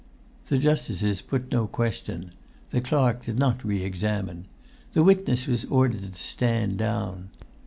The justices put no question. The clerk did not re examine. The witness was ordered to stand down.